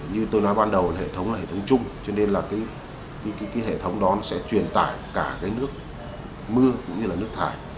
như tôi nói ban đầu hệ thống là hệ thống chung cho nên là cái hệ thống đó nó sẽ truyền tải cả cái nước mưa cũng như là nước thải